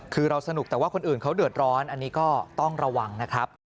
คือเราสนุกแต่ว่าคนอื่นเขาเดือดร้อนอันนี้ก็ต้องระวังนะครับ